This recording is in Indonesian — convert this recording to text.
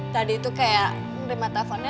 tadi itu kayak ngerempet teleponnya